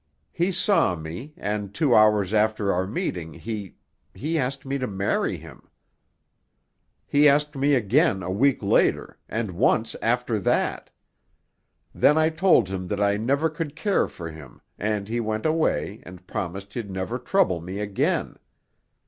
He saw me, and two hours after our meeting he—he asked me to marry him. He asked me again a week later, and once after that. Then I told him that I never could care for him and he went away and promised he'd never trouble me again.